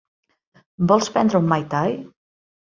Vols prendre un mai tai?